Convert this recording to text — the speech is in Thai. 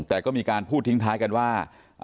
แต่ก็มีการพูดทิ้งท้ายกันว่า